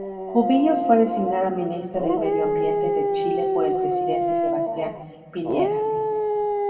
Cubillos fue designada ministra del Medio Ambiente de Chile por el presidente Sebastián Piñera.